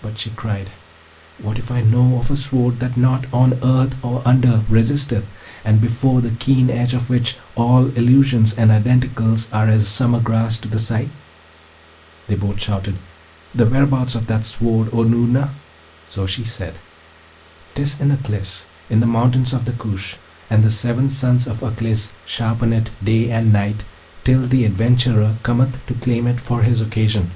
But she cried, 'What if I know of a sword that nought on earth or under resisteth, and before the keen edge of which all Illusions and Identicals are as summer grass to the scythe?' They both shouted, 'The whereabout of that sword, O Noorna!' So she said, ''Tis in Aklis, in the mountains of the Koosh; and the seven sons of Aklis sharpen it day and night till the adventurer cometh to claim it for his occasion.